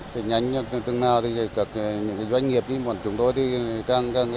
thì nhanh như từng nào thì các doanh nghiệp như bọn chúng tôi thì càng tốt từng đấy